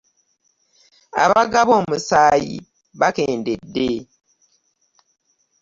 Abagaba omusaayi bakendedde.